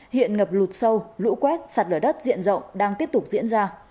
hiện ngập lụt sâu lũ quét sạt lở đất diện rộng đang tiếp tục diễn ra